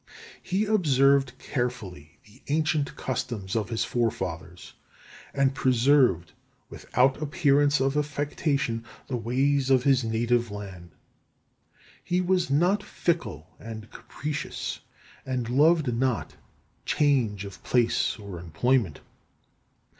He observed carefully the ancient customs of his forefathers, and preserved, without appearance of affectation, the ways of his native land. He was not fickle and capricious, and loved not change of place or employment.